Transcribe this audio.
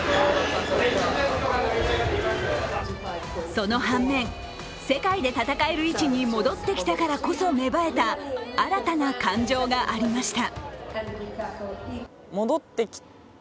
その反面、世界で戦える位置に戻ってきたからこそ芽生えた新たな感情がありました。